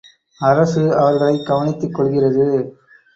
அரசு அவர்களைக் கவனித்துக்கொள்கிறது.